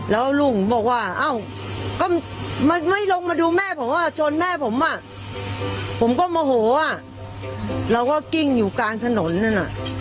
แล้วก็กิ้งอยู่กลางถนนนั่นอ่ะ